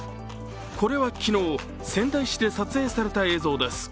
これは昨日、仙台市で撮影された映像です。